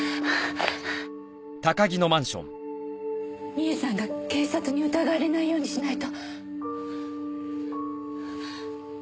美枝さんが警察に疑われないようにしないと。